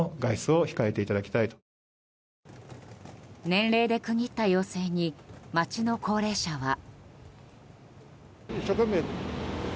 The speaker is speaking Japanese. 年齢で区切った要請に街の高齢者は。